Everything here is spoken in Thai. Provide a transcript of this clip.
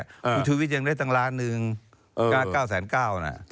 กรุงชีวิตยังได้ตั้งล้าน๙๙๙ล้าน